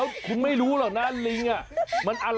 วิทยาลัยศาสตร์อัศวิทยาลัยศาสตร์